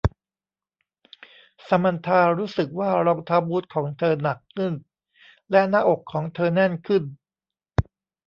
ซามานธารู้สึกว่ารองเท้าบูทของเธอหนักขึ้นและหน้าอกของเธอแน่นขึ้น